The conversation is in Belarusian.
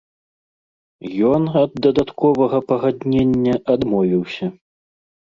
Ён ад дадатковага пагаднення адмовіўся.